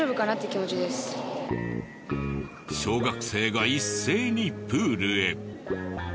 小学生が一斉にプールへ。